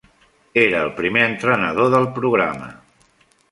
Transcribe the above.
Era el primer entrenador del programa.